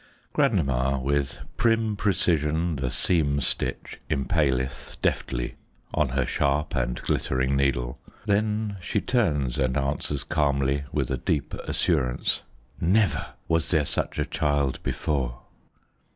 Grandma, with prim precision The seam stitch impaleth deftly On her sharp and glittering needle, Then she turns and answers calmly, With a deep assurance "Never Was there such a child before!"